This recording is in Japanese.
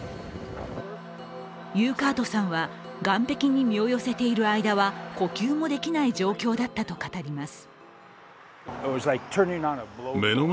ユーカートさんは岸壁に身を寄せている間は呼吸もできない状況だったと語ります。